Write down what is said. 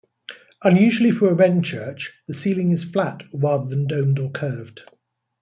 Unusually for a Wren church, the ceiling is flat rather than domed or curved.